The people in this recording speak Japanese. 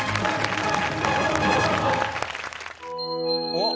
おっ！